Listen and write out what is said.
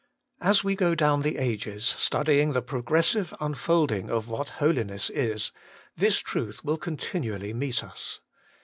As we go down the ages, studying the progressive unfolding of what Holiness is, this truth will continually meet us.